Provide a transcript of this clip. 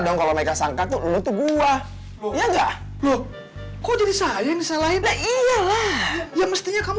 dong kalau mereka sangka tuh lu tuh gua ya enggak loh kok jadi saya ini salahin ya iyalah ya mestinya kamu